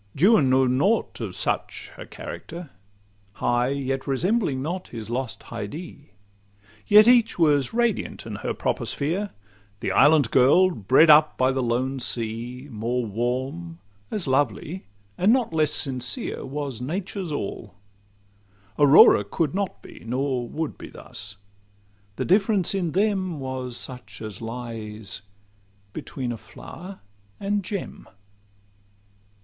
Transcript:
Juan knew nought of such a character— High, yet resembling not his lost Haidee; Yet each was radiant in her proper sphere: The island girl, bred up by the lone sea, More warm, as lovely, and not less sincere, Was Nature's all: Aurora could not be, Nor would be thus:—the difference in them Was such as lies between a flower and gem.